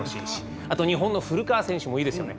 あと日本の古川選手もいいですよね。